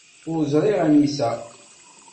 Ur ẓriɣ anisa.